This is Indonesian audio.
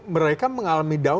mereka mengalami downgrade justru